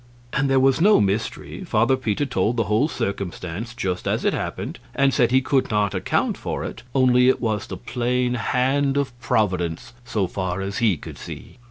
And there was no mystery; Father Peter told the whole circumstance just as it happened, and said he could not account for it, only it was the plain hand of Providence, so far as he could see.